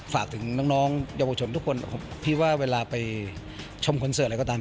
ฝากถึงน้องน้องยกประชุมทุกคนผมพี่ว่าเวลาไปชมแคศอะไรก็ต้อน